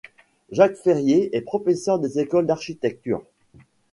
Jacques Ferrier est professeur des Écoles d’Architecture.